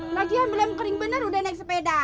lagian belum kering bener udah naik sepeda